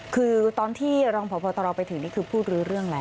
คือตอนที่รองพบตรไปถึงนี่คือพูดรู้เรื่องแล้ว